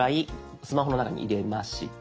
スマホの中に入れました。